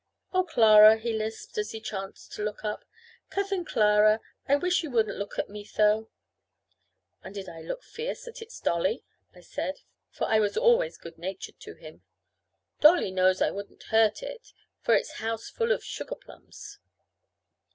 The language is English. "Oh, Clara," he lisped, as he chanced to look up "Couthin Clara, I wish you wouldn't look at me tho." "And did it look fierce at its dolly?" I said; for I was always good natured to him. "Dolly knows I wouldn't hurt it, for it's house full of sugar plums."